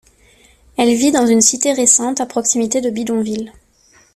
Elle vit dans une cité récente à proximité de bidonvilles.